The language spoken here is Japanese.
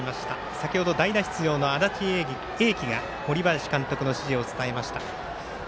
先ほど代打出場の安達英輝が森林監督の指示を伝えました。